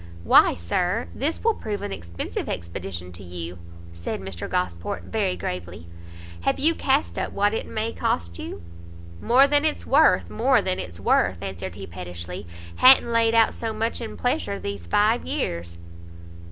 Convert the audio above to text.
"Why, Sir, this will prove an expensive expedition to you," said Mr Gosport, very gravely; "Have you cast up what it may cost you?" "More than it's worth, more than it's worth," answered he pettishly "ha'n't laid out so much in pleasure these five years."